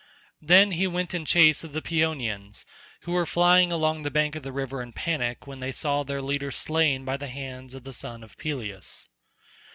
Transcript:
Then he went in chase of the Paeonians, who were flying along the bank of the river in panic when they saw their leader slain by the hands of the son of Peleus.